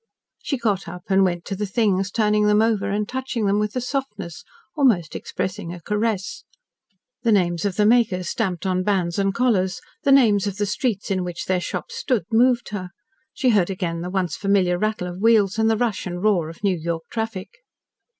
She got up and went to the things, turning them over, and touching them with a softness, almost expressing a caress. The names of the makers stamped on bands and collars, the names of the streets in which their shops stood, moved her. She heard again the once familiar rattle of wheels, and the rush and roar of New York traffic.